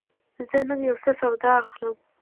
زه نن یوڅه سودا اخلم.